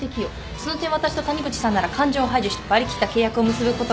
その点私と谷口さんなら感情を排除し割り切った契約を結ぶことができる。